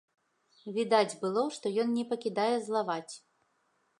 Відаць было, што ён не пакідае злаваць.